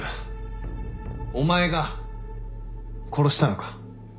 お前が殺したのか？